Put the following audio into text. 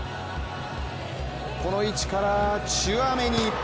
この位置からチュアメニ。